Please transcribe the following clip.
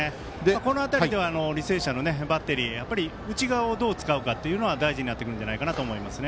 この辺りでは履正社のバッテリー内側をどう使うか大事になってくるんじゃないかなと思いますね。